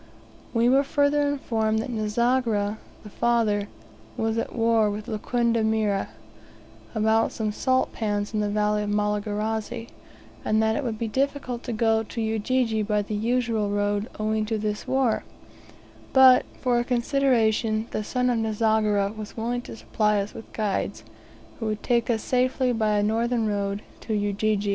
We were further informed that Nzogera, the father, was at war with Lokanda Mire, about some salt pans in the valley of the Malagarazi, and that it would be difficult to go to Ujiji by the usual road, owing to this war; but, for a consideration, the son of Nzogera was willing to supply us with guides, who would take us safely, by a northern road, to Ujiji.